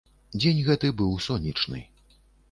Дзень гэты быў сонечны.